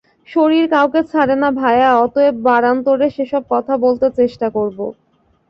শরীর কাউকে ছাড়ে না ভায়া, অতএব বারান্তরে সেসব কথা বলতে চেষ্টা করব।